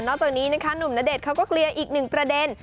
จากนี้นะคะหนุ่มณเดชน์เขาก็เคลียร์อีกหนึ่งประเด็น